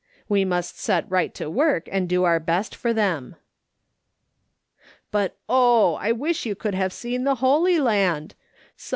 "VVe must set right to work and do our best for them. " But, oh, I wish you could have seen the Holy Land !